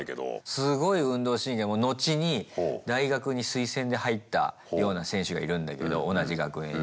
すごい運動神経後に大学に推薦で入ったような選手がいるんだけど同じ学年に。